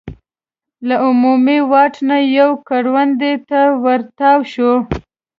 له عمومي واټ نه یوې کروندې ته ور تاو شو.